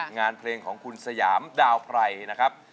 งานเพลงของคุณสยามดาวไพรนะครับ